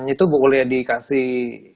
itu bu boleh dikasih